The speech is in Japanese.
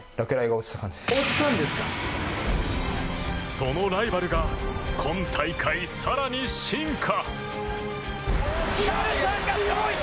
そのライバルが今大会、更に進化。